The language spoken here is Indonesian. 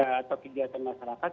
atau kegiatan masyarakat